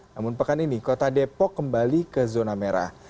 namun pekan ini kota depok kembali ke zona merah